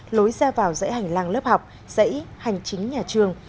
lối ra vào dãy hành lang lớp học dãy hành chính nhà trường